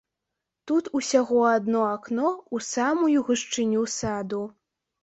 Тут усяго адно акно ў самую гушчыню саду.